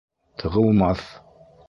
— Тығылмаҫ.